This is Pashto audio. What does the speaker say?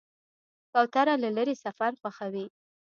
کوتره له لرې سفر خوښوي.